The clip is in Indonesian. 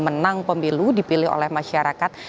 menang pemilu dipilih oleh masyarakat